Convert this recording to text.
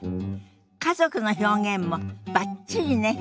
家族の表現もバッチリね。